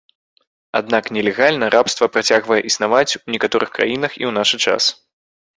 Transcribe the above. Аднак, нелегальна рабства працягвае існаваць ў некаторых краінах і ў наш час.